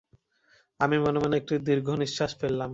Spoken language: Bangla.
আমি মনে-মনে একটা দীর্ঘনিঃশ্বাস ফেললাম।